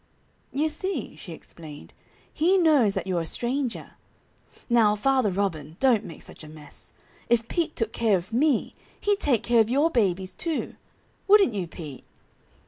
"You see," she explained, "he knows that you're a stranger. Now, Father Robin, don't make such a fuss. If Pete took care of me, he'd take care of your babies, too. Wouldn't you, Pete.